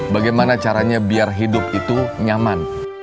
bagaimana caranya biar hidup itu nyaman